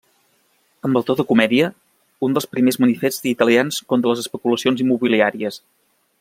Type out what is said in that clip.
Amb el to de comèdia, un dels primers manifests italians contra les especulacions immobiliàries.